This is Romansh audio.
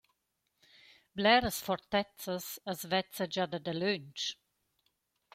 Bleras fortezzas as vezza già da dalöntsch.